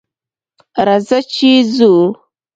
راځه چې ځو